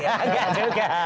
nggak ada juga